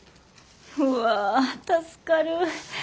うわぁ助かる。